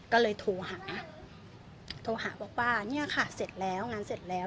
ก็เลยโทรหาโทรหาบอกว่าเนี่ยค่ะเสร็จแล้วงานเสร็จแล้ว